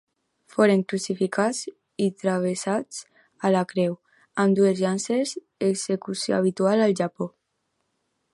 Foren crucificats i travessats, a la creu, amb dues llances, execució habitual al Japó.